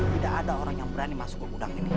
tidak ada orang yang berani masuk ke gudang ini